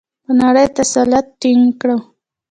په نړۍ تسلط ټینګ کړو؟